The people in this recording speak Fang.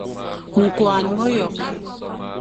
Küa meyokh,